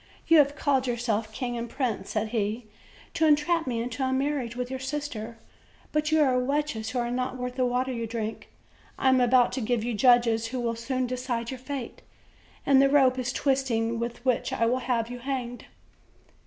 You have called yourselves king and prince," said he, "to en trap me into a marriage with your sister; but you are wretches who are not worth the water you drink. I am about to give you judges who will soon decide your fate; and the rope is twisting with which I will have you hanged."